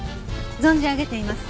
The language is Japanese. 存じ上げています。